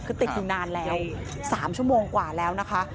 คือติดอยู่นานแล้ว๓ชั่วโมงกว่าแล้วนะคะ